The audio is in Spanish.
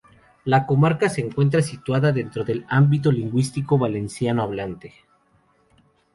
La comarca se encuentra situada dentro del ámbito lingüístico valenciano-hablante.